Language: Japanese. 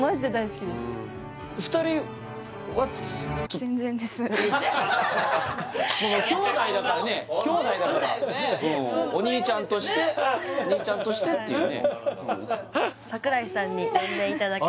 きょうだいだからねきょうだいだからうんお兄ちゃんとしてお兄ちゃんとしてっていうね